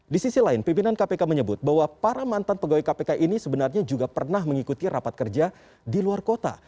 di sisi lain pimpinan kpk menyebut bahwa para mantan pegawai kpk ini sebenarnya juga pernah mengikuti rapat kerja di luar kota